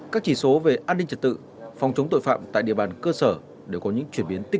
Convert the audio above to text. các chỉ số về an ninh trật tự phòng chống tội phạm tại địa bàn cơ sở đều có những chuyển biến tích